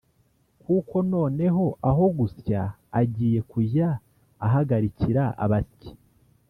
kuko noneho aho gusya agiye kujya ahagarikira abasyi